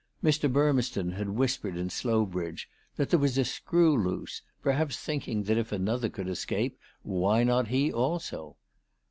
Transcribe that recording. Mr. Burmeston had whispered in Slowbridge that there was a screw loose, perhaps thinking that if another could escape, why not he also